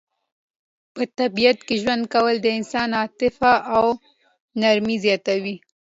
په طبیعت کې ژوند کول د انسان عاطفه او نرمي زیاتوي.